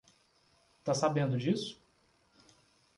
Tá sabendo disso?